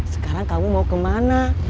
sekarang kamu mau kemana